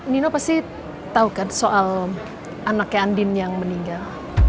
nino pasti tahu kan soal anaknya andin yang meninggal